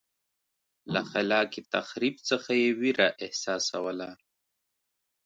له خلاق تخریب څخه یې وېره احساسوله.